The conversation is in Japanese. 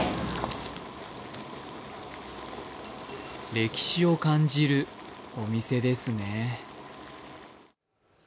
歴史を感じるお店ですね。